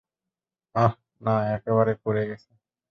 আহ, না, একেবারে পুড়ে গেছে।